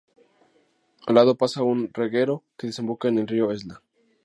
Al lado pasa un reguero que desemboca en el río Esla.